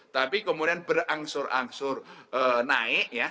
tapi kemudian berangsur angsur naik ya